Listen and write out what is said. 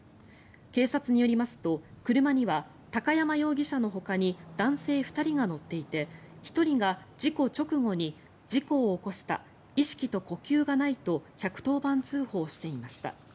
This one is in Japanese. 警察によりますと車には高山容疑者のほかに男性２人が乗っていて１人が事故直後に事故を起こした意識と呼吸がないと１１０番通報していました。